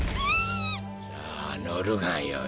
さあ乗るがよい。